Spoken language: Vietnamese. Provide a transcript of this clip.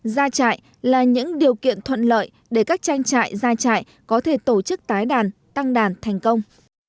ra trại là những điều kiện thuận lợi để các tranh trại ra trại có thể tổ chức tái đàn tăng đàn thành công